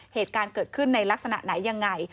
เหตุการณ์เกิดขึ้นในลักษณะไหนยังไง